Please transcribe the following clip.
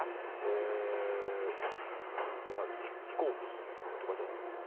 え飛行機とかじゃないんですか？